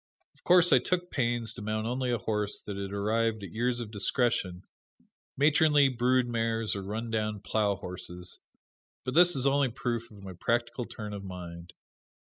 Of course I took pains to mount only a horse that had arrived at years of discretion, matronly brood mares or run down plow horses; but this is only proof of my practical turn of mind.